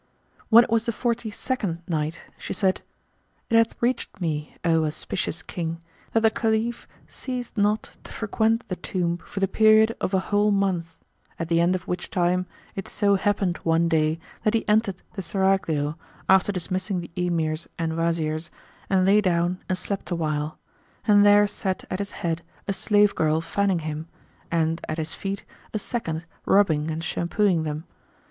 When it was the Forty second Night, She said, It hath reached me, O auspicious King, that the Caliph ceased not to frequent the tomb for the period of a whole month, at the end of which time it so happened one day that he entered the Serraglio, after dismissing the Emirs and Wazirs, and lay down and slept awhile; and there sat at his head a slave girl fanning him, and at his feet a second rubbing and shampooing them.